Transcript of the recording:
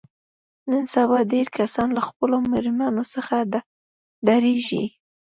نن سبا ډېری کسان له خپلو مېرمنو څخه ډارېږي.